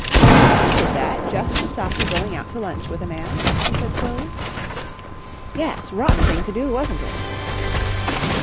"She did that just to stop you going out to lunch with a man?" she said slowly. "Yes, rotten thing to do, wasn't it?"